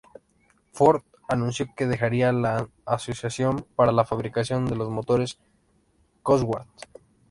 Ford anunció que dejaría la asociación para la fabricación de los motores Cosworth.